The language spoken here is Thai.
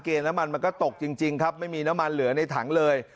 น้ำมันมันก็ตกจริงครับไม่มีน้ำมันเหลือในถังเลย